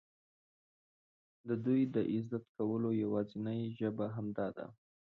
د دوی د عزت کولو یوازینۍ ژبه همدا ده.